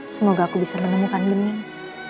semoga aku bisa menemukan dunia